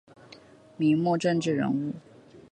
明末政治人物。